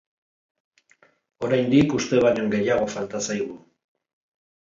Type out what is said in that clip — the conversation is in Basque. Oraindik uste baino gehiago falta zaigu.